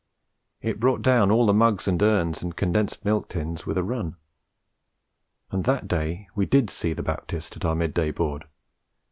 It brought down all the mugs and urns and condensed milk tins with a run; and that day we did see the Baptist at our mid day board.